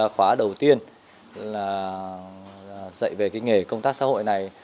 khóa đầu tiên là dạy về cái nghề công tác xã hội này